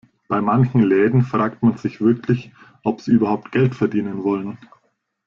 Bei manchen Läden fragt man sich wirklich, ob sie überhaupt Geld verdienen wollen.